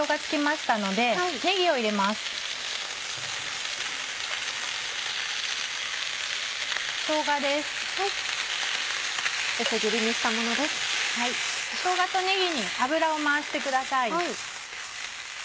しょうがとねぎに油を回してください。